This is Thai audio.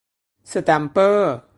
สแตมเปอร์